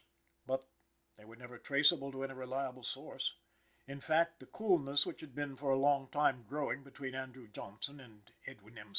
But they were never traceable to any reliable source. In fact, the coolness which had been for a long time growing between Andrew Johnson and Edwin M.